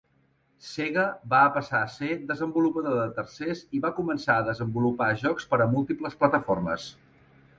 Sega va passar a ser desenvolupador de tercers i va començar a desenvolupar jocs per a múltiples plataformes.